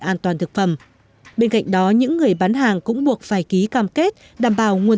an toàn thực phẩm bên cạnh đó những người bán hàng cũng buộc phải ký cam kết đảm bảo nguồn